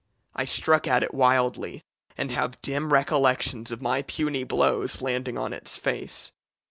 I struck at it wildly, and have dim recollections of my puny blows landing on its face.